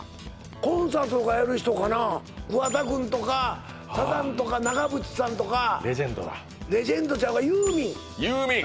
コンサートとかやる人かな桑田くんとかサザンとか長渕さんとかレジェンドだレジェンドちゃうかユーミンユーミン